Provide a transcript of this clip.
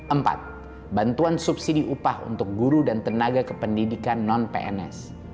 empat bantuan subsidi upah untuk guru dan tenaga kependidikan non pns